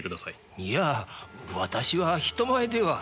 いや私は人前では。